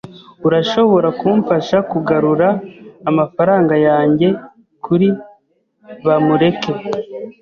Urashobora kumfasha kugarura amafaranga yanjye kuri Bamureke.